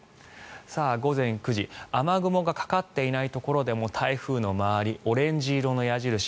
午前９時雨雲がかかっていないところでも台風の周り、オレンジ色の矢印